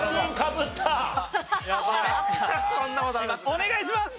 お願いします！